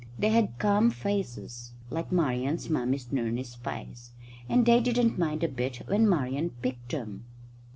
They had calm faces like Marian's mummy's nurney's face, and they didn't mind a bit when Marian picked them.